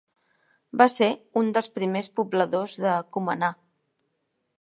Va ser un dels primers pobladors de Cumaná.